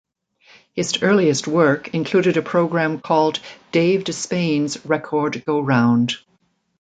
His earliest work included a program called "Dave Despain's Record-Go-Round".